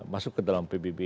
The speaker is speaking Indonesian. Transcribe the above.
masuk ke dalam pbb